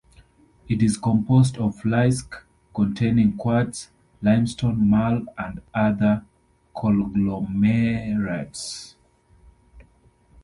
It is composed of flysch containing quartz, limestone, marl, and other conglomerates.